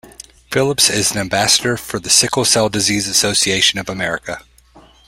Phillips is an ambassador for the Sickle Cell Disease Association of America.